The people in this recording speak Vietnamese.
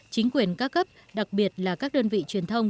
chính quyền ca cấp đặc biệt là các đơn vị truyền thông